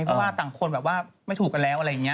เพราะว่าต่างคนแบบว่าไม่ถูกกันแล้วอะไรอย่างนี้